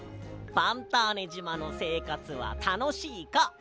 ファンターネじまのせいかつはたのしいか？